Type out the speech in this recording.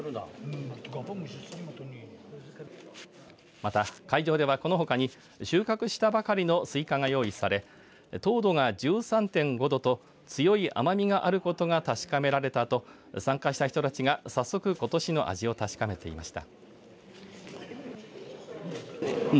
また、会場ではこのほかに収穫したばかりのスイカが用意され糖度が１３．５度と強い甘みがあることが確かめられたあと参加した人たちが早速ことしの味を確かめていました。